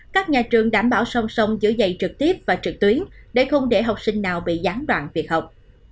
các nhà trường đảm bảo song song giữa dạy trực tiếp và trực tuyến để không để học sinh nào bị gián đoạn việc học